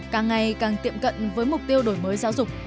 càng ngày càng tiệm cận với mục tiêu đổi mới giáo dục